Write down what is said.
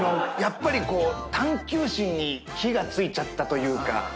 やっぱり探究心に火が付いちゃったというか。